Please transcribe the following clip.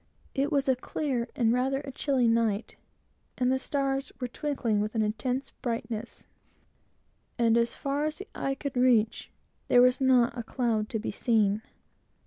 It was a clear, and rather a chilly night; the stars were twinkling with an intense brightness, and as far as the eye could reach, there was not a cloud to be seen.